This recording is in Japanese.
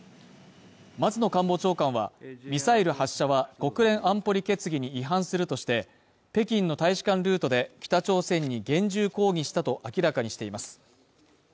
松野官房長官はミサイル発射は国連安保理決議に違反するとして北京の大使館ルートで北朝鮮に厳重抗議したと明らかにしています。